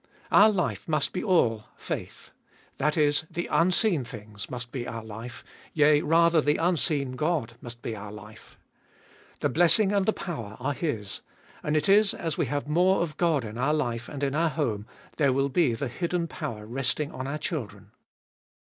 Our life must be all faith — that is, the unseen things must be our life, yea, rather, the unseen God must be our life. The blessing and the power are His ; and it is as we have more of God in our life and in our home, there will be the hidden power resting on our children.